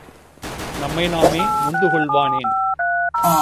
நம்மை நாமே நொந்து கொள்வானேன்?